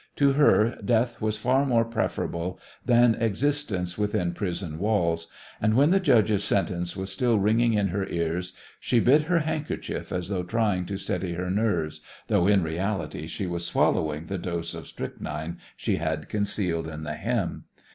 To her, death was far more preferable than existence within prison walls, and when the judge's sentence was still ringing in her ears she bit her handkerchief as though trying to steady her nerves, though in reality she was swallowing the dose of strychnine she had concealed in the hem.